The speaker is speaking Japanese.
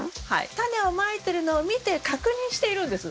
タネをまいてるのを見て確認しているんです。